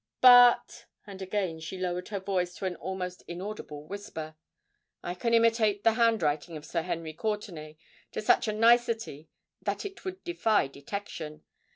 But,"—and again she lowered her voice to an almost inaudible whisper—"I can imitate the handwriting of Sir Henry Courtenay to such a nicety that it would defy detection.